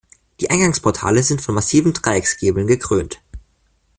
Die Eingangsportale sind von massiven Dreiecksgiebeln gekrönt.